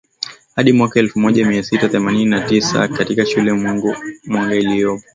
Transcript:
hadi mwaka elfu moja mia tisa themanini na tisa katika shule ya Mwanga iliyopo